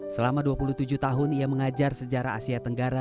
selama dua puluh tujuh tahun ia mengajar sejarah asia tenggara